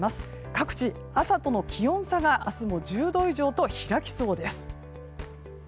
各地、朝との気温差が明日も１０度以上と開きそうです。